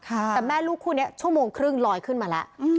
แต่แม่ลูกคู่นี้ชั่วโมงครึ่งลอยขึ้นมาแล้ว